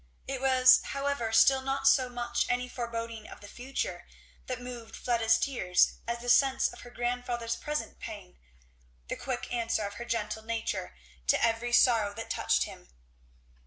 It was however still not so much any foreboding of the future that moved Fleda's tears as the sense of her grandfather's present pain, the quick answer of her gentle nature to every sorrow that touched him.